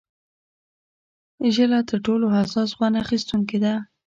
ژله تر ټولو حساس خوند اخیستونکې ده.